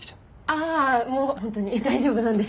ああもう本当に大丈夫なんで。